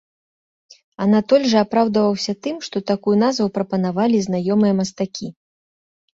Анатоль жа апраўдваўся тым, што такую назву прапанавалі знаёмыя мастакі.